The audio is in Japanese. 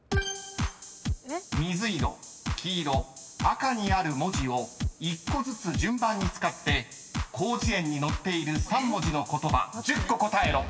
［水色・黄色・赤にある文字を１個ずつ順番に使って広辞苑に載っている３文字の言葉１０個答えろ］